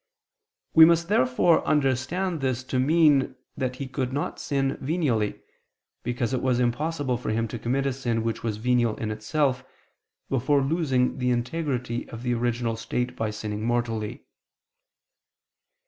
We must therefore understand this to mean that he could not sin venially, because it was impossible for him to commit a sin which was venial in itself, before losing the integrity of the original state by sinning mortally.